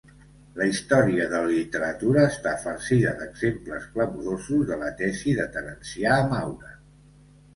La història de la literatura està farcida d'exemples clamorosos de la tesi de Terencià Maure.